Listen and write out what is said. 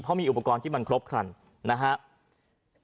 เพราะมีอุปกรณ์ที่มันครบครันนะครับ